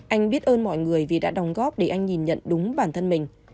anh biết ơn mọi người vì đã đồng góp để anh nhìn nhận đúng bản thân mình